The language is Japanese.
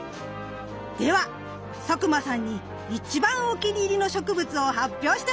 では佐久間さんに一番お気に入りの植物を発表してもらいましょう！